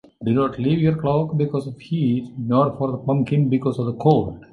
Do not leave your cloak because of heat, nor for the pumpkin because of the cold.